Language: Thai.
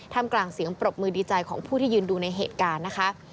กลางเสียงปรบมือดีใจของผู้ที่ยืนดูในเหตุการณ์นะคะ